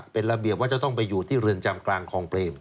เป็นระเบียบว่าจะต้องไปอยู่ที่เรือนจำกลางคลองเปรม